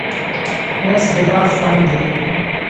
رس د باغ خوند دی